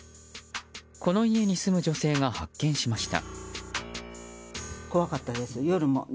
この家に住む女性が発見しました。